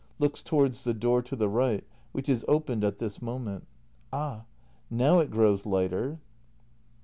[Looks towards the door to the right, which is opened at this moment.] Ah! now it grows lighter.